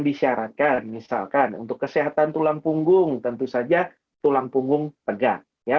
disyaratkan misalkan untuk kesehatan tulang punggung tentu saja tulang punggung tegak ya